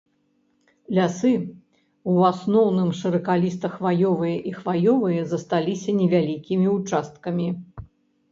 Лясы ў асноўным шыракаліста-хваёвыя і хваёвыя, засталіся невялікімі ўчасткамі.